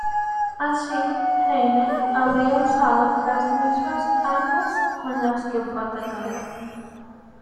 Así, Heine habría usado las mismas armas con las que fue atacado.